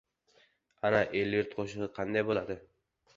Ana, el-yurt qo‘shig‘i qanday bo‘ladi!